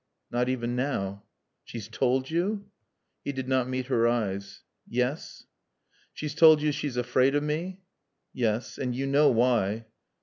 "Not even now." "She's toald yo'?" He did not meet her eyes. "Yes." "She's toald yo' she's afraid o' mae?" "Yes. And you know why."